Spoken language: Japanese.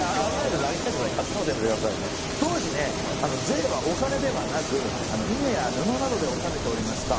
当時ね税はお金ではなく稲や布などで納めておりました。